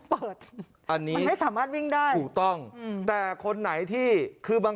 เปิดอันนี้ให้สามารถวิ่งได้ถูกต้องแต่คนไหนที่คือบาง